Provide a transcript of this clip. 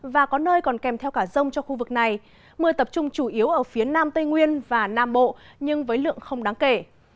và có nơi còn kèm theo cả rông cho khu vực này mưa tập trung chủ yếu ở phía nam tây nguyên và nam bộ nhưng với lượng không đáng kể